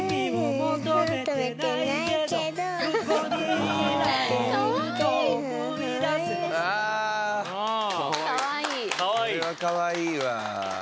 これはかわいいわ。